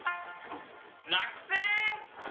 落選！